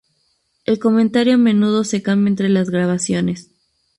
El comentario a menudo se cambia entre las grabaciones.